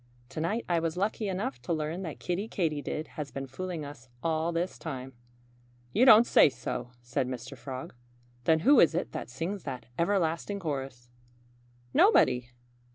To night I was lucky enough to learn that Kiddie Katydid has been fooling us all this time." "You don't say so!" said Mr. Frog. "Then who is it that sings that everlasting chorus?" "Nobody!"